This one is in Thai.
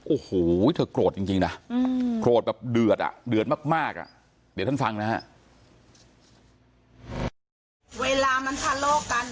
โอ้โหเธอโกรธจริงนะโกรธแบบเดือดอ่ะเดือดมากอ่ะเดี๋ยวท่านฟังนะฮะ